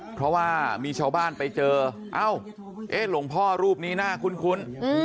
เพราะว่ามีชาวบ้านไปเจอเอ้าหลวงพ่อรูปนี้น่าคุ้น